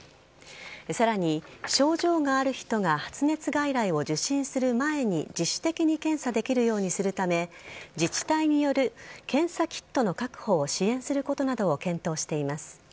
さらに、症状がある人が発熱外来を受診する前に自主的に検査できるようにするため自治体による検査キットの確保を支援することなどを検討しています。